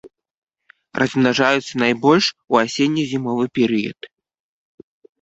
Размнажаюцца найбольш у асенне-зімовы перыяд.